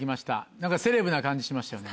何かセレブな感じしましたよね。